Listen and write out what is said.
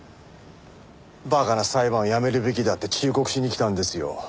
馬鹿な裁判をやめるべきだって忠告しに来たんですよ。